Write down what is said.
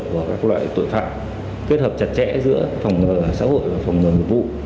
của các loại tội phạm kết hợp chặt chẽ giữa phòng ngừa xã hội và phòng ngừa mục vụ